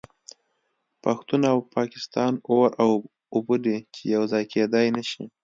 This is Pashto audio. پښتون او پاکستان اور او اوبه دي چې یو ځای کیدای نشي